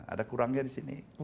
ada kurangnya di sini